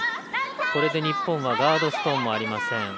これで日本はガードストーンもありません。